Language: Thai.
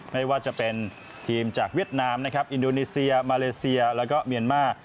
ไม่ว่าจะเป็นทีมจากเวียดนามนะครับอินโดนีเซียมาเลเซียแล้วก็เมียนมาร์